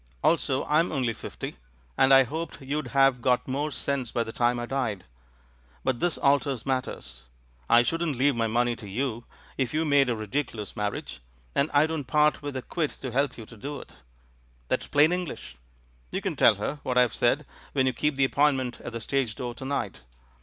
Also I'm only fifty, and I hoped you'd have got more sense by the time I died. But this alters matters. I shouldn't leave my money to you if you made a ridiculous marriage, and I don't part with a quid to help you to do it. That's plain English. You can tell her what I've said when you keep the appointment at the stage door to night!